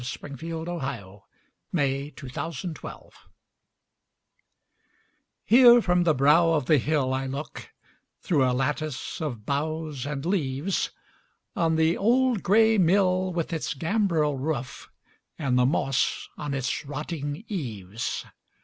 1900. By Thomas DunnEnglish 379 Songs HERE from the brow of the hill I look, Through a lattice of boughs and leaves, On the old gray mill with its gambrel roof, And the moss on its rotting eaves.